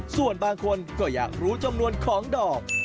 ส่วนบางคนก็อยากรู้จำนวนของดอก